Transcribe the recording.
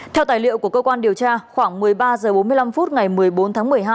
theo tài liệu của cơ quan điều tra khoảng một mươi ba h bốn mươi năm phút ngày một mươi bốn tháng một mươi hai